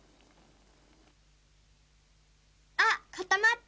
あっかたまった！